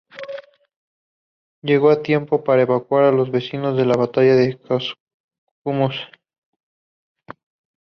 Llegó a tiempo para evacuar a los vencidos de la batalla de Chascomús.